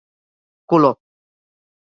Color: